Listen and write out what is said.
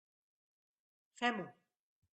Fem-ho.